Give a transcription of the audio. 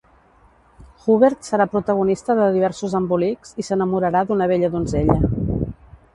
Hubert serà protagonista de diversos embolics i s'enamorarà d'una bella donzella.